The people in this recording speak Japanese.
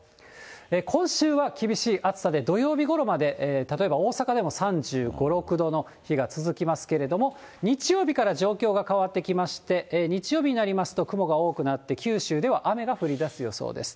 今週は厳しい暑さで、土曜日ごろまで、例えば大阪でも３５、６度の日が続きますけれども、日曜日から状況が変わってきまして、日曜日になりますと雲が多くなって、九州では雨が降りだす予想です。